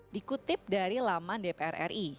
dikutip dari laman dpr ri